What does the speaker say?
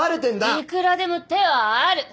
いくらでも手はある。